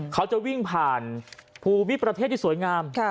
เขาจะวิ่งผ่านภูมิประเทศที่สวยงาม